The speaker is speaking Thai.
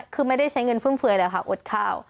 คือไม่ได้ใช้เงินเฟื่อเลยค่ะอดข้าว